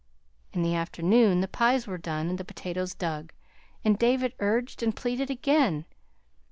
In the afternoon the pies were done and the potatoes dug, and David urged and pleaded again.